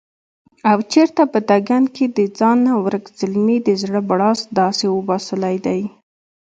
او چرته په دکن کښې دځانه ورک زلمي دزړه بړاس داسې وباسلے دے